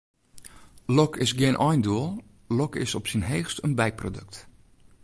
Lok is gjin eindoel, lok is op syn heechst in byprodukt.